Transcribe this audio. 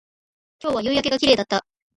今日は夕焼けが綺麗だった